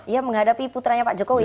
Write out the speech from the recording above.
ya menghadapi putranya pak jokowi